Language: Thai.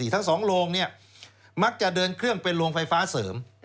ทั้ง๒โรงมักจะเดินเครื่องเป็นโรงไฟฟ้าเสริม